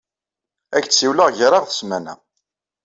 Ad ak-d-siwleɣ gar-aɣ d smana.